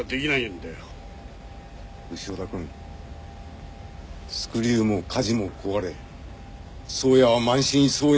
潮田君スクリューも舵も壊れ宗谷は満身創痍なんだ